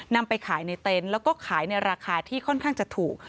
นำไปขายในเต็นต์แล้วก็ขายในราคาที่ค่อนข้างจะถูก